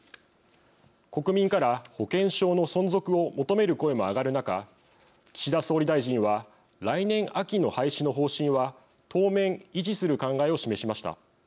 国民から保険証の存続を求める声も上がる中岸田総理大臣は来年秋の廃止の方針は当面、維持する考えを示しました。